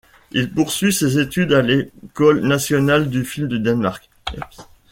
Il poursuit ses études à l'École nationale du film du Danemark.